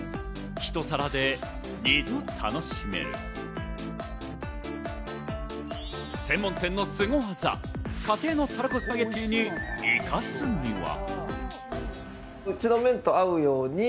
ひと皿で、二度楽しめる、専門店のスゴ技、家庭のたらこスパゲティに生かすには？